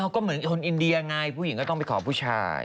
ก็เหมือนคนอินเดียไงผู้หญิงก็ต้องไปขอผู้ชาย